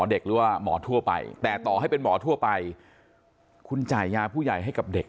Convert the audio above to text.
หรือว่าหมอทั่วไปแต่ต่อให้เป็นหมอทั่วไปคุณจ่ายยาผู้ใหญ่ให้กับเด็ก